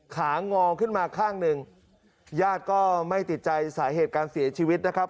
งอขึ้นมาข้างหนึ่งญาติก็ไม่ติดใจสาเหตุการเสียชีวิตนะครับ